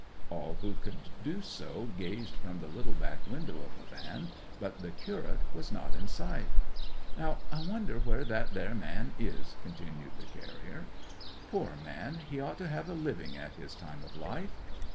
All who could do so gazed from the little back window of the van, but the curate was not in sight. 'Now I wonder where that there man is?' continued the carrier. 'Poor man, he ought to have a living at his time of life.